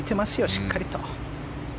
しっかりと。